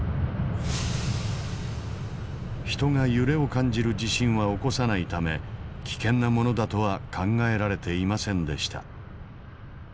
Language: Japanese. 人が揺れを感じる地震は起こさないため危険なものだとは考えられていませんでした。